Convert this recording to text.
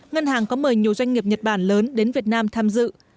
ngân hàng có mời nhiều doanh nghiệp nhật bản lớn đến việt nam tham dự